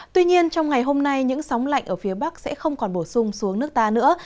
tuy nhiên trong ngày hôm nay những sóng lạnh ở phía bắc sẽ không còn bổ sung xuống nước ta nữa